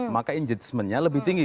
maka injetismennya lebih tinggi